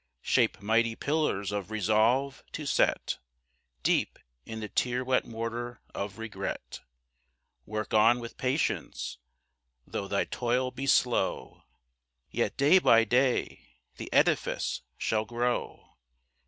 Shape mighty pillars of resolve, to set Deep in the tear wet mortar of regret. Work on with patience. Though thy toil be slow, Yet day by day the edifice shall grow.